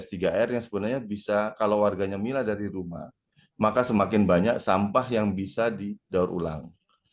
ada tiga r yang sebenarnya bisa kalau warganya mila dari rumah maka semakin banyak sampah yang bisa didaur ulang